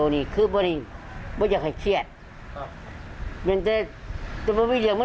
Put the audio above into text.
นี่ครับ